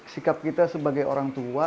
sikap kita sebagai orang tua